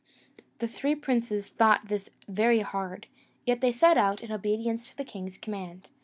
The three princes thought this very hard; yet they set out, in obedience to the king's command.